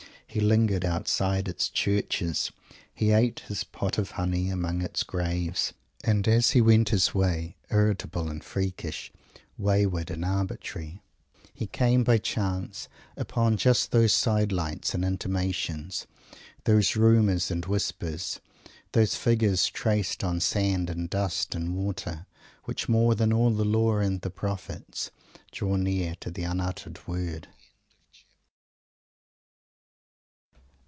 He lingered outside its churches. He ate his "pot of honey" among its graves. And as he went his way, irritable and freakish, wayward and arbitrary, he came, by chance, upon just those side lights and intimations, those rumours and whispers, those figures traced on sand and dust and water, which, more than all the Law and the Prophets, draw near to the unuttered word.